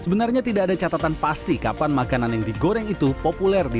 sebenarnya tidak ada catatan pasti kapan makanan yang digoreng itu populer di